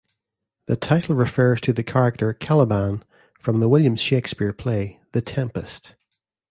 The title refers to the character Caliban from the William Shakespeare play "The Tempest".